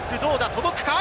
届くか？